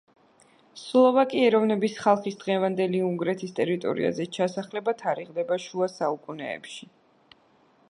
სლოვაკი ეროვნების ხალხის დღევანდელი უნგრეთის ტერიტორიაზე ჩასახლება თარიღდება შუა საუკუნეებით.